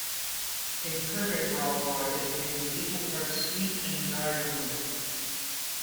A "perfect" Rob Roy is made with equal parts sweet and dry vermouth.